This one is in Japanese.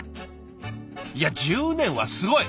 いや１０年はすごい。